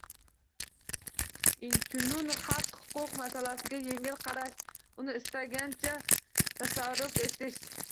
Inchunun, haq-huquq masalasiga yengil qarash, uni istalgancha tasarruf etish